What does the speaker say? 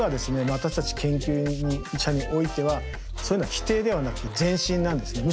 私たち研究者においてはそういうのは否定ではなくて前進なんですね。